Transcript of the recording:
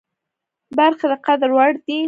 برخې د قدر وړ دي.